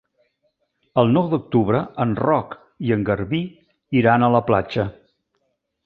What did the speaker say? El nou d'octubre en Roc i en Garbí iran a la platja.